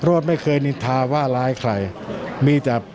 ออสดิบ้าภาวน่าจะโดยภาพวกเค้าบางอย่าง